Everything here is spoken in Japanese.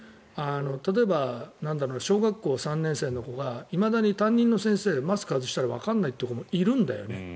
例えば、小学校３年生の子がいまだに担任の先生マスク外したらわからないという子もいるんだよね。